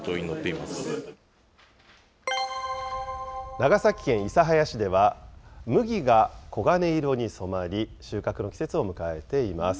長崎県諫早市では、麦が黄金色に染まり、収穫の季節を迎えています。